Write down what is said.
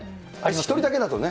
１人だけだとね。